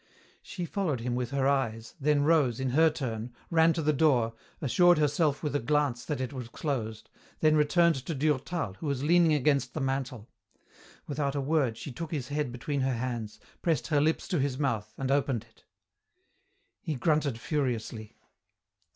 She followed him with her eyes, then rose, in her turn, ran to the door, assured herself with a glance that it was closed, then returned to Durtal, who was leaning against the mantel. Without a word she took his head between her hands, pressed her lips to his mouth and opened it. He grunted furiously.